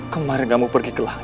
namun kamu pergi ke langit